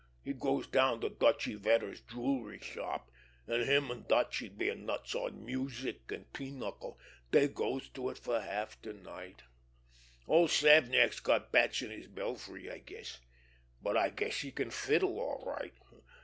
He goes down to Dutchy Vetter's jewelry shop, an' him an' Dutchy, bein' nuts on music an' pinochle, dey goes to it for half de night. Old Savnak's got bats in his belfry, I guess; but I guess he can fiddle all right.